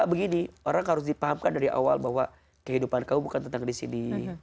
maka begini orang harus dipahamkan dari awal bahwa kehidupan kamu bukan tentu saja itu yang akan ada dalam kehidupan kita